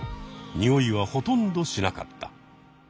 ニオイはほとんどしなかった。